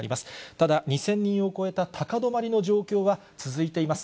ただ、２０００人を超えた高止まりの状況は続いています。